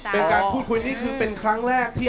เป็นการพูดคุยนี่คือเป็นครั้งแรกที่